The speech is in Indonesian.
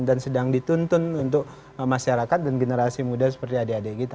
dan sedang dituntun untuk masyarakat dan generasi muda seperti adik adik kita